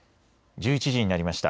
１１時になりました。